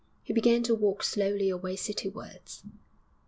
He began to walk slowly away citywards.